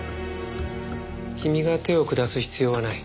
君が手を下す必要はない。